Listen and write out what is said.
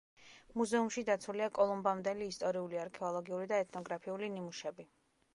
მუზეუმში დაცულია კოლუმბამდელი ისტორიული, არქეოლოგიური და ეთნოგრაფიული ნიმუშები.